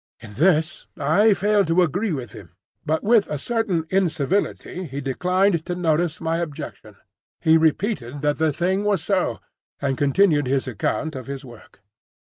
In this I failed to agree with him, but with a certain incivility he declined to notice my objection. He repeated that the thing was so, and continued his account of his work.